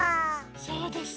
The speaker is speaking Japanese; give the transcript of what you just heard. そうです。